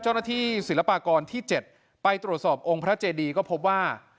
เจ้าหน้าที่ศิลปากรที่๗ไปตรวจสอบองค์พระเจดีธาตุก็พบว่า